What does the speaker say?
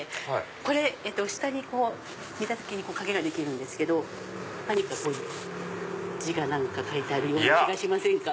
これ下に見た時に影ができるんですけど何かここに字が書いてある気がしませんか？